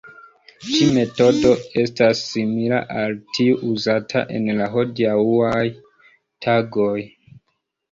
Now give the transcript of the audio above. Ĉi-metodo estas simila al tiu uzata en la hodiaŭaj tagoj.